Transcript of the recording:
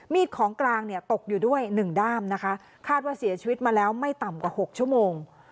ของกลางเนี่ยตกอยู่ด้วยหนึ่งด้ามนะคะคาดว่าเสียชีวิตมาแล้วไม่ต่ำกว่า๖ชั่วโมง